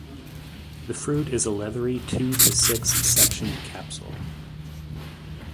The fruit is a leathery two to six sectioned capsule.